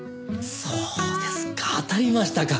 そうですか当たりましたか。